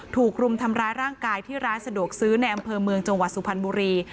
ถูกรุมทำร้ายร่างกายที่ร้านสะดวกซื้อในอำเภอเมืองจังหวัดสุพรรณบุรี